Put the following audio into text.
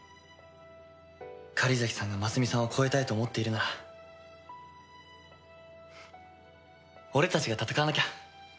狩崎さんが真澄さんを超えたいと思っているなら俺たちが戦わなきゃ。